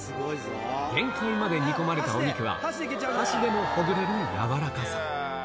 限界まで煮込まれたお肉は、箸でもほぐれる柔らかさ。